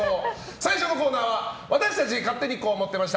最初のコーナーは私たち勝手にこう思ってました！